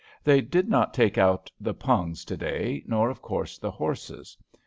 They did not take out the pungs to day, nor, of course, the horses.